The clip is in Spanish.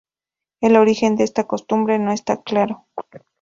El origen de esa costumbre no está claro.